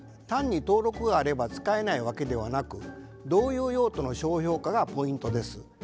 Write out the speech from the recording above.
単に登録があれば使えないわけではなくどういう用途の商標かがポイントです。